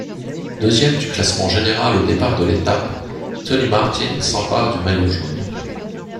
Deuxième du classement général au départ de l'étape, Tony Martin s'empare du maillot jaune.